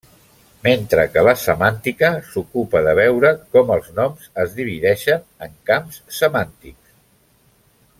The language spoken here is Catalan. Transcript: Mentre que la semàntica s'ocupa de veure com els noms es divideixen en camps semàntics.